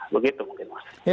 begitu mungkin mas